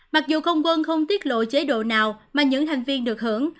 mặc dù không quân không tiết lộ chế độ nào mà những thành viên được hưởng